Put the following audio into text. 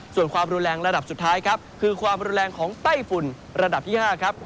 ส่วนความรุนแรงระดับสุดท้ายครับคือความรุนแรงของไต้ฝุ่นระดับที่๕ครับ